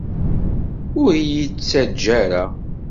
Ur iyi-ttaǧǧa ara!